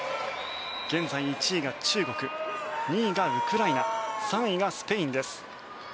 現在、１位が中国２位がウクライナ３位がスペインです。